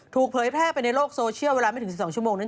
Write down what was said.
เผยแพร่ไปในโลกโซเชียลเวลาไม่ถึง๑๒ชั่วโมงนั้น